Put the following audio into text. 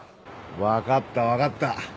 わかったわかった。